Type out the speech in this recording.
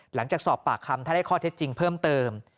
หลังจากสอบปากคำถ้าได้ข้อเท็จจริงเพิ่มเติม